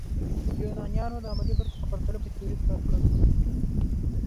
یونانیانو د عملي برخې په پرتله په تیوري کار کړی.